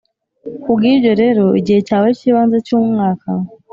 kubwibyo rero igihe cyawe cyibanze cyumwaka,